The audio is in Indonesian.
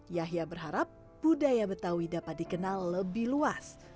yahya berharap budaya betawi dapat dikenal lebih luas